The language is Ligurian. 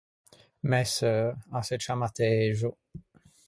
Mæ seu a se ciamma Texo.